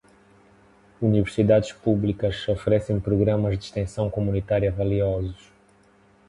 Universidades públicas oferecem programas de extensão comunitária valiosos.